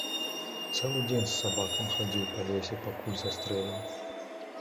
Цэлы дзень з сабакам хадзіў па лесе, пакуль застрэліў.